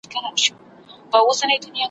زه مین پر هغه ملک پر هغه ښار یم `